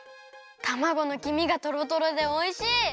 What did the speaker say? たまごのきみがとろとろでおいしい！